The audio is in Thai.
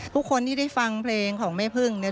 ทุกคนที่ได้ฟังเพลงของแม่พึ่งเนี่ย